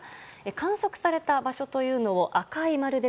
観測された場所というのを赤い丸で